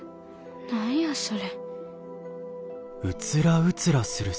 何やそれ。